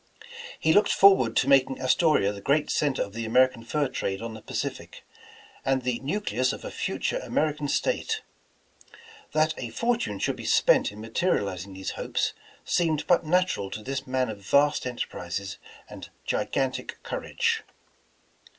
He looked forward to making Astoria the great cen ter of the American fur trade on the Pacific, and the nucleus of a future American State. That a fortune should be spent in materializing these hopes, seemed but natural to this man of vast enterprises and gigan* tic courage.